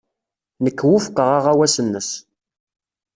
Nekk wufqeɣ aɣawas-nnes.